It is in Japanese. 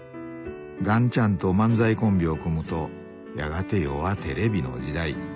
雁ちゃんと漫才コンビを組むとやがて世はテレビの時代。